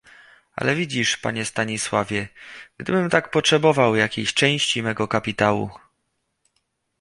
"Ale widzisz, panie Stanisławie, gdybym tak potrzebował jakiejś części mego kapitału..."